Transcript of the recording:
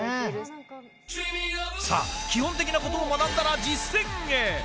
さあ、基本的なことを学んだら実戦へ。